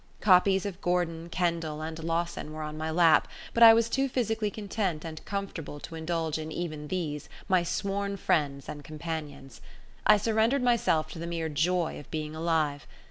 Copies of Gordon, Kendall, and Lawson were on my lap, but I was too physically content and comfortable to indulge in even these, my sworn friends and companions. I surrendered myself to the mere joy of being alive.